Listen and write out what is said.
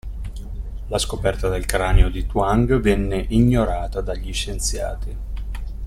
La scoperta del cranio di Tuang venne ignorata dagli scienziati.